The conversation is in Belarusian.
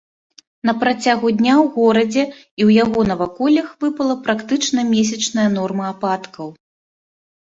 На працягу дня ў горадзе і яго наваколлях выпала практычна месячная норма ападкаў.